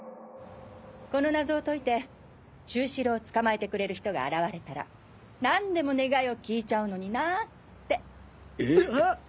この謎を解いて愁思郎を捕まえてくれる人が現れたら何でも願いを聞いちゃうのになぁって。